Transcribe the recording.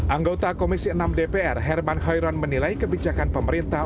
anggota komisi enam dpr herman hoiron menilai kebijakan pemerintah